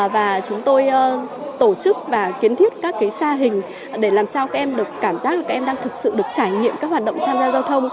và chúng tôi tổ chức và kiến thiết các sa hình để làm sao các em được cảm giác là các em đang thực sự được trải nghiệm các hoạt động tham gia giao thông